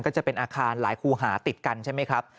ก็จะเป็นอาคารหลายคู่หาติดกันใช่ไหมครับ